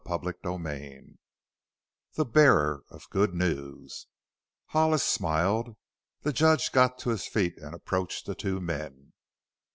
CHAPTER XVI THE BEARER OF GOOD NEWS Hollis smiled. The Judge got to his feet and approached the two men.